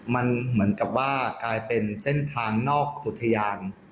มันเหมือนกับว่ากลายเป็นเส้นทางนอกอุทยาน